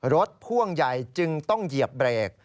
พ่วงใหญ่จึงต้องเหยียบเบรก